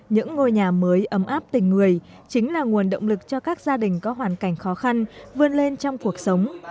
những ngôi nhà mới ấm áp tình người chính là nguồn động lực cho các gia đình có hoàn cảnh khó khăn vươn lên trong cuộc sống